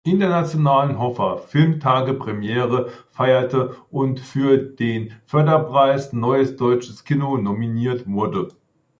Internationalen Hofer Filmtagen Premiere feierte und für den „Förderpreis Neues Deutsches Kino“ nominiert wurde.